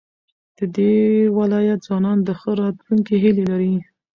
د دې ولايت ځوانان د ښه راتلونکي هيلې لري.